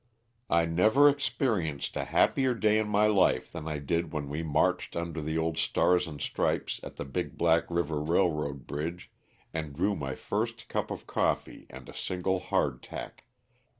I never experienced a happier day in my life than I did when we marched under the old Stars and Stripes at the Big Black river railroad bridge and drew my first cup of coffee and a single hard tack.